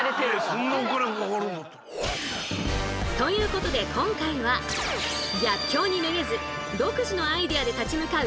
そんなお金上がるんだったら。ということで今回は逆境にめげず独自のアイデアで立ち向かうローカル線。